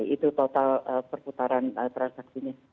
itu total perputaran transaksinya